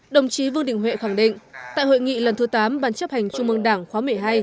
đồng chí vương đình huệ khẳng định tại hội nghị lần thứ tám bàn chấp hành trung mương đảng khóa mệ hai